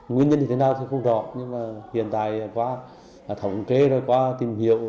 nguyên nhân như thế nào thì không rõ nhưng mà hiện tại qua thổng kế qua tìm hiệu